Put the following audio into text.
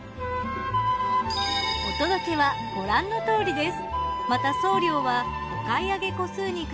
お届けはご覧のとおりです。